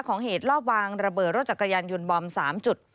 เหตุรอบวางระเบิดรถจักรยานยนต์บอม๓จุด